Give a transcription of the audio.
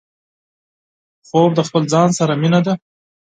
خوب د خپل ځان سره مينه ده